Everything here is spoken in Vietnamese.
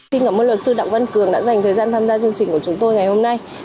xin cảm ơn luật sư đặng văn cường đã dành thời gian tham gia chương trình của chúng tôi ngày hôm nay